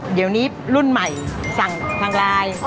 เดี๋ยวนี้รุ่นใหม่ทางลาย